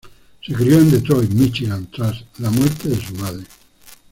Se crio en Detroit, Míchigan tras la muerte de su madre.